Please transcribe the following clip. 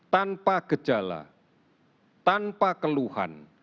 tanpa gejala tanpa keluhan